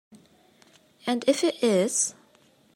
And if it is?